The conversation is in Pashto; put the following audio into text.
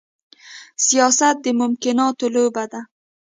سياست د ممکناتو لوبه ده.